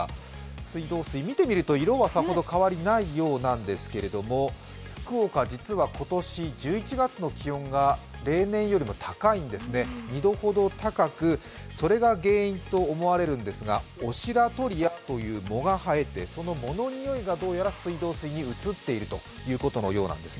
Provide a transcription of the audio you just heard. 水道水、見てみると色はさほど変わりはないようなんですが福岡、実は今年１１月の気温が例年より２度ほど高く、それが原因と思われるんですがオシラトリアという藻が生えてその藻の臭いがどうやら水道水に移っているということのようです。